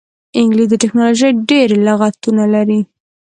انګلیسي د ټیکنالوژۍ ډېری لغتونه لري